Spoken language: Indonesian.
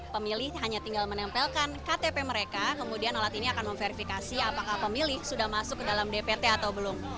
pemilih hanya tinggal menempelkan ktp mereka kemudian alat ini akan memverifikasi apakah pemilih sudah masuk ke dalam dpt atau belum